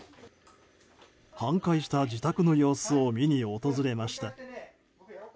半壊した自宅の様子を見に訪れました。